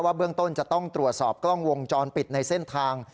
เบื้องต้นจะต้องตรวจสอบกล้องวงจรปิดในเส้นทาง